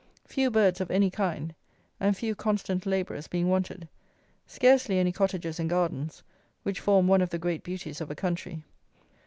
Few birds of any kind, and few constant labourers being wanted; scarcely any cottages and gardens, which form one of the great beauties of a country.